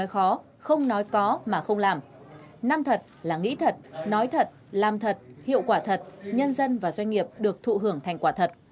không nói có mà không làm năm thật là nghĩ thật nói thật làm thật hiệu quả thật nhân dân và doanh nghiệp được thụ hưởng thành quả thật